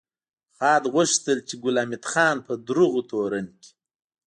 خاد غوښتل چې ګل حمید خان په دروغو تورن کړي